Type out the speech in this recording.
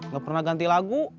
gak pernah ganti lagu